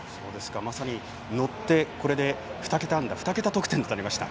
まさに、乗ってこれで２桁安打２桁得点となりました。